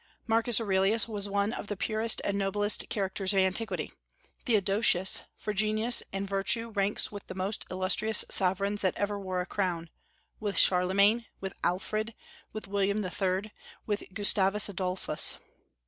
Marcus Aurelius was one of the purest and noblest characters of antiquity. Theodosius for genius and virtue ranks with the most illustrious sovereigns that ever wore a crown, with Charlemagne, with Alfred, with William III., with Gustavus Adolphus.